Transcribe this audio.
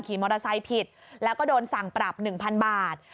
มอเตอร์ไซค์ผิดแล้วก็โดนสั่งปรับ๑๐๐บาท